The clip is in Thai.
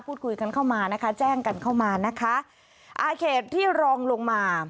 พูดคุยกันเข้ามานะคะแจ้งกันเข้ามานะคะอ่าเขตที่รองลงมา